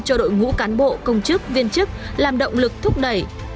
cho đội ngũ cán bộ công chức viên chức làm động lực thúc đẩy